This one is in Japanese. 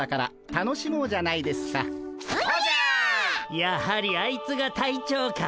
やはりあいつが隊長か。